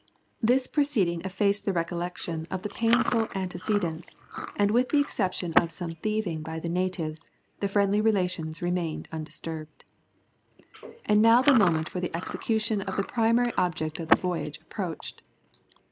This proceeding effaced the recollection of the painful antecedents, and with the exception of some thieving by the natives, the friendly relations remained undisturbed. And now the moment for the execution of the primary object of the voyage approached.